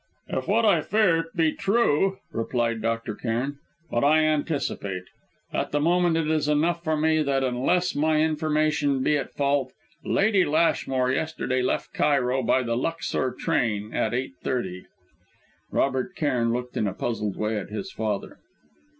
"If what I fear be true " replied Dr. Cairn. "But I anticipate. At the moment it is enough for me that, unless my information be at fault, Lady Lashmore yesterday left Cairo by the Luxor train at 8.30." Robert Cairn looked in a puzzled way at his father.